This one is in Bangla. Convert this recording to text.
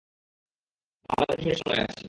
আমাদের ত্রিশ মিনিট সময় আছে।